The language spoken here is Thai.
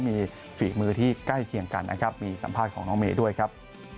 มีฝีมือที่ใกล้เคียงกันนะครับมีสัมภาษณ์ของน้องเมย์ด้วยครับ